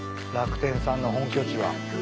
楽天さんの本拠地は。